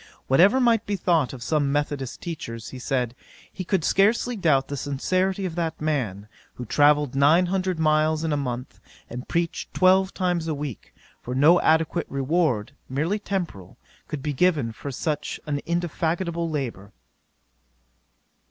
Whatever might be thought of some methodist teachers, he said, he could scarcely doubt the sincerity of that man, who travelled nine hundred miles in a month, and preached twelve times a week; for no adequate reward, merely temporal, could be given for such indefatigable labour.